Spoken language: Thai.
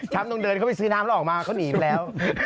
ต้องเดินเข้าไปซื้อน้ำแล้วออกมาเขาหนีไปแล้ว